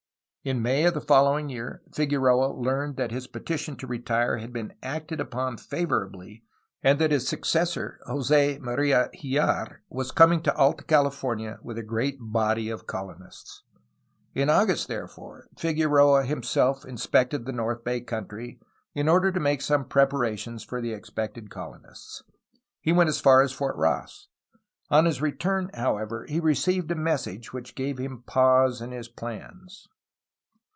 In May of the following year Figueroa learned that his petition to retire had been acted upon favorably and that his successor, Jos6 Maria Hijar, was coming to Alta Califor nia with a great body of colonists. In August, therefore, Figueroa himself inspected the north bay country, in order to make some preparation for the expected colonists. He went as far as Fort Ross. On his return, however, he re ceived a message which gave him pause in his plans.